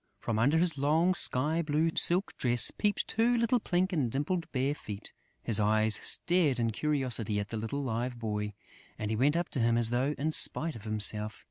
From under his long sky blue silk dress peeped two little pink and dimpled bare feet. His eyes stared in curiosity at the little Live Boy; and he went up to him as though in spite of himself.